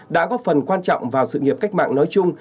đã góp phần quan trọng vào sự nghiệp cách mạng nói chung